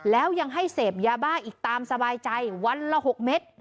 แล้วยังให้เสพยาบ้าอีกตามสบายใจวันละ๖เม็ด